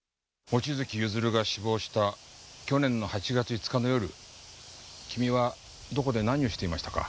望月譲が死亡した去年の８月５日の夜君はどこで何をしていましたか？